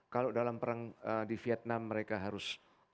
kalau dalam perang di vietnam mereka harus